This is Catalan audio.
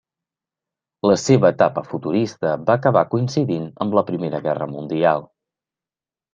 La seva etapa futurista va acabar coincidint amb la Primera Guerra Mundial.